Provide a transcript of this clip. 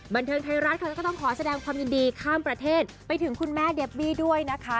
บันเทิงไทยรัฐค่ะแล้วก็ต้องขอแสดงความยินดีข้ามประเทศไปถึงคุณแม่เดบบี้ด้วยนะคะ